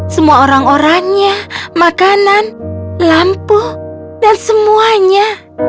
semua orang oranya makanan lampu dan semuanya